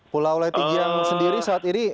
pulau lendigian sendiri saat ini